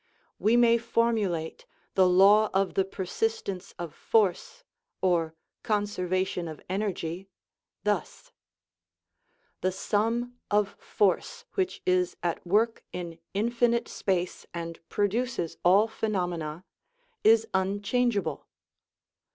We may formulate the " law of the persistence of force " or "conservation of energy" thus: The sum of force, which is at work in infinite space and produces all phe 212 THE LAW OF SUBSTANCE nomena, is unchangeable.